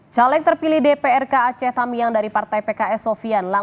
salah yang terpilih dprk aceh tamiang dari partai pks sofia